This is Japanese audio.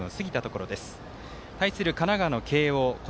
対する神奈川の慶応。